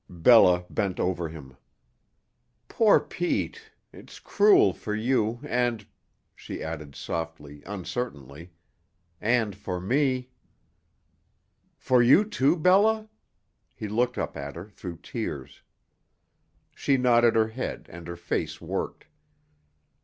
Bella bent over him. "Poor Pete! It's cruel for you and," she added softly, uncertainly, "and for me." "For you too, Bella?" He looked up at her through tears. She nodded her head, and her face worked.